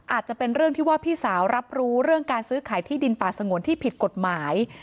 อาจจะเป็นเรื่องที่ว่าพี่สาวรับรู้เรื่องการซื้อขายที่ดินป่าสงวนที่ผิดกฎหมาย